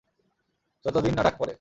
যতদিন না ডাক পড়ে।